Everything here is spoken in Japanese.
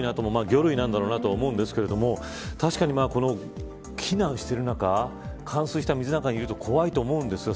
魚類なんだろうなとは思うんですけど、確かに避難している中冠水した水の中にいると怖いと思うんですよ。